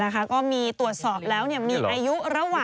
ก็มีตรวจสอบแล้วมีอายุระหว่าง